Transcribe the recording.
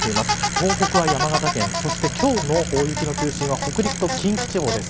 東北は山形県そして今日の大雪の中心は北陸と近畿地方です。